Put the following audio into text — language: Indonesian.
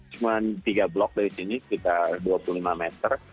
cuma tiga blok dari sini sekitar dua puluh lima meter